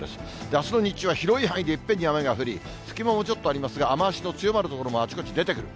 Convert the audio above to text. あすの日中は広い範囲でいっぺんに雨が降り、隙間もちょっとありますが、雨足の強まる所もあちこち出てくる。